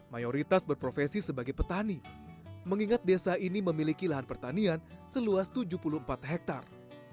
mayoritas berprofesi sebagai petani mengingat desa ini memiliki lahan pertanian seluas tujuh puluh empat hektare